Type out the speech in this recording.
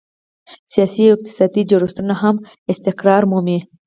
سیاسي او اقتصادي جوړښتونه هم استقرار مومي.